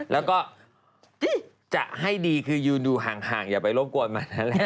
แล้วก็จะให้ดีคือยืนดูห่างอย่าไปรบกวนมานั่นแหละ